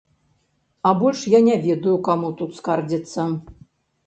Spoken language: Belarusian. А больш я не ведаю, каму тут скардзіцца.